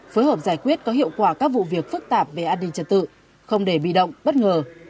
phối hợp giải quyết có hiệu quả các vụ việc phức tạp về an ninh trật tự không để bị động bất ngờ